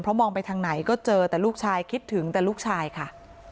มองไปทางไหนก็เจอแต่ลูกชายคิดถึงแต่ลูกชายค่ะ